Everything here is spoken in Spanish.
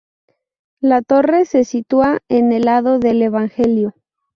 La torre se sitúa en el lado del evangelio.